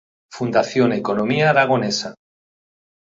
Fundación Economía Aragonesa.